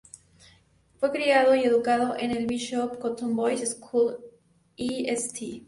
Fue criado y educado en el Bishop Cotton Boys' School y St.